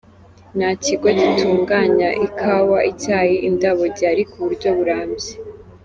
Nta kigo gitunganya ikawa, icyayi, indabo gihari ku buryo burambye.